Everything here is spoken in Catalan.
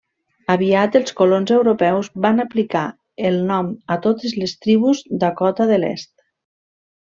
Aviat els colons europeus van aplicar el nom a totes les tribus Dakota de l'Est.